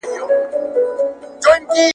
• د سپي د نيستيه ئې چغال تناو کړی دئ.